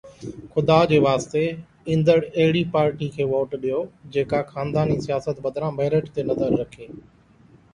خدا جي واسطي، ايندڙ وقت اهڙي پارٽي کي ووٽ ڏيو، جيڪا خانداني سياست بدران ميرٽ تي نظر رکي